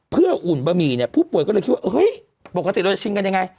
เพื่ออุ่นบะหมี่เนี่ยผู้ป่วยก็เลยคิดว่าเฮ้ยปกติเราจะชิงกันยังไง